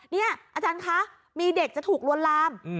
นี่อาจารย์คะมีเด็กจะถูกลวนลาม